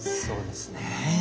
そうですね。